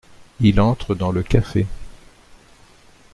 Il entre dans le café.